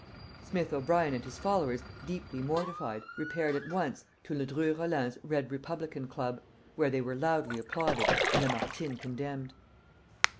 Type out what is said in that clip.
Smith O'Brien and his followers, deeply mortified, repaired at once to Ledru Rollin's Red Republican Club, where they were loudly applauded, and Lamartine condemned.